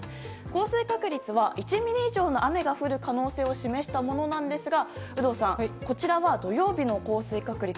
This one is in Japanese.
降水確率は１ミリ以上の雨が降る可能性を示したものなんですが有働さん、こちらは土曜日の降水確率。